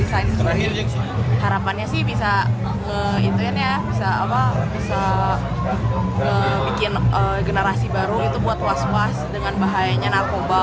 desain sendiri harapannya sih bisa bikin generasi baru itu buat kuas kuas dengan bahayanya narkoba